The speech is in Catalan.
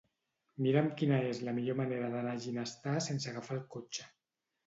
Mira'm quina és la millor manera d'anar a Ginestar sense agafar el cotxe.